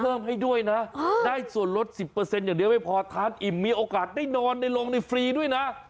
เพิ่มให้ด้วยนะได้ส่วนลด๑๐อย่างเดียวไม่พอทานอิ่มมีโอกาสได้นอนในโรงในฟรีด้วยนะ